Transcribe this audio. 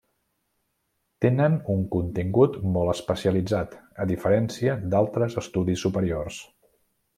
Tenen un contingut molt especialitzat, a diferència d'altres estudis superiors.